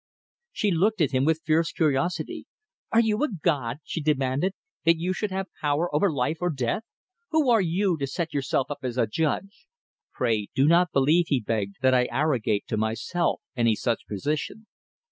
She looked at him with fierce curiosity. "Are you a god," she demanded, "that you should have power of life or death? Who are you to set yourself up as a judge?" "Pray do not believe," he begged, "that I arrogate to myself any such position.